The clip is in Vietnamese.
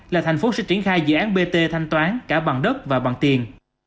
là thành phố sẽ triển khai dự án bt thanh toán cả bằng đất và bằng tiền